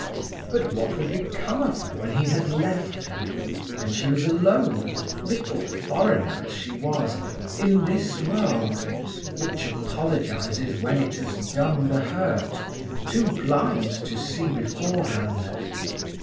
But what would become of her when he had left her, when she was alone, little foreigner as she was, in this world, which apologizes when it has done the hurt, too blind to see beforehand?